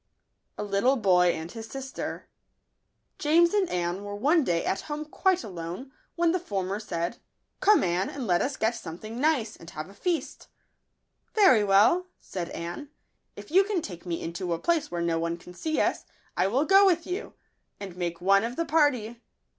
®| )e Sink 3$og anb ^(0 Jbteter. AMES and Anne were one day at home quite alone, when the former said, " Come, Anne, and let us get something nice, and have a feast." " Very well," said Anne; " if you can take me into a place where no one can see us, I will go with you, and make one of the party."